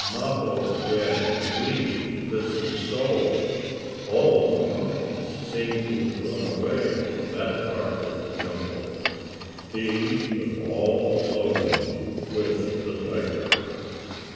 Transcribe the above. Mappo began to believe that this was so. All the monkeys seemed to have gone away from that part of the jungle. He was all alone with the tiger.